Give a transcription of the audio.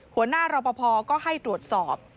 หัวหน้ารอปภก็ให้ตรวจสอบ